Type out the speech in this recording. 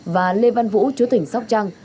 và lê văn vũ chú tỉnh sóc trăng